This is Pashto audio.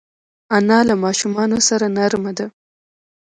انا له ماشومانو سره نرمه ده